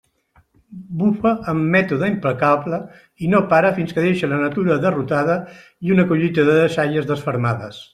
Bufa amb mètode implacable i no para fins que deixa la natura derrotada i una collita de deixalles desfermades.